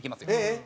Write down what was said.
えっ？